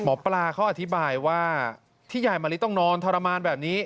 หมอปลาเขาอธิบายว่าที่ยายมะลิต้องนอนทรมานแบบนี้